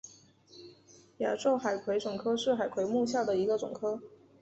甲胄海葵总科是海葵目下的一总科。